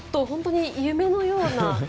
夢のような。